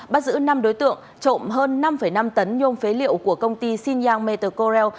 bắt giữ năm đối tượng trộm hơn năm năm tấn nhôm phế liệu của công ty xin yang metacorel